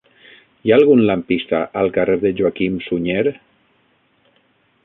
Hi ha algun lampista al carrer de Joaquim Sunyer?